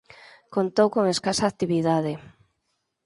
Contou con escasa actividade.